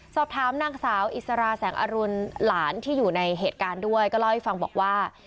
สอบถามนางสาวอิสราแสงอรุณหลานที่อยู่ในเหตุการณ์ด้วยก็เล่าให้ฟังบอกว่า